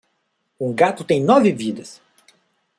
Um gato tem nove vidas.